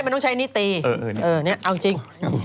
มันต้องใช้นิตีนี่เอาจริง